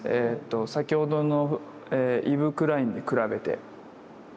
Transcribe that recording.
先ほどのイヴ・クラインに比べて。